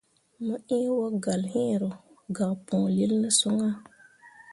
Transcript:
Mo ĩĩ wogalle hĩĩ ro gak pũũlil ne son ah.